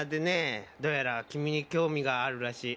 どうやら君に興味があるらしい。